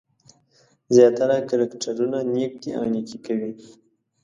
زیاتره کرکټرونه نېک دي او نېکي کوي.